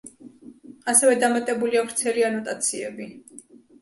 ასევე დამატებულია ვრცელი ანოტაციები.